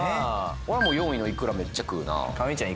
俺はもう４位のいくらめっちゃ食うな神ちゃん